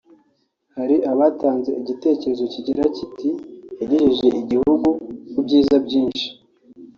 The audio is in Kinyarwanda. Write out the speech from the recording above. Hari abatanze igitekerezo kigira kiti “Yagejeje igihugu ku byiza byinshi